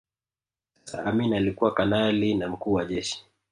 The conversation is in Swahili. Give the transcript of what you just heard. Sasa Amin alikuwa kanali na Mkuu wa Jeshi